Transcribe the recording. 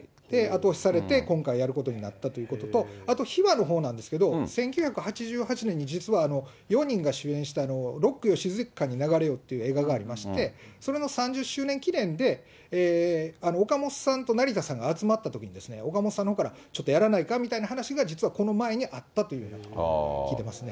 後押しされて、今回やることになったということと、あと秘話のほうなんですけど、１９８８年に、実は４人が主演したロックよ静かに流れよっていう映画がありまして、それの３０周年記念で、岡本さんと成田さんが集まったときに、岡本さんのほうから、ちょっとやらないかという話が実は、この前にあったというふうに聞いてますね。